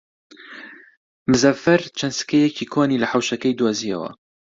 مزەفەر چەند سکەیەکی کۆنی لە حەوشەکەی دۆزییەوە.